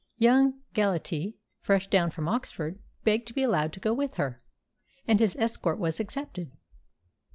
Young Gellatly, fresh down from Oxford, begged to be allowed to go with her, and his escort was accepted.